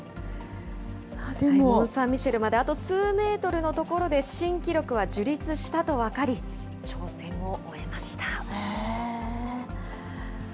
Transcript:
モンサンミシェルまであと数メートルの所で新記録は樹立したと分かり、挑戦を終えました。